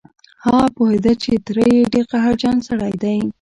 هغه پوهېده چې تره يې ډېر قهرجن سړی دی.